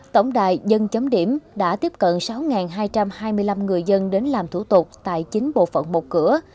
tổng đài dân chấm điểm đã tiếp cận sáu hai trăm hai mươi năm người dân đến làm thủ tục tại chính bộ phận một cửa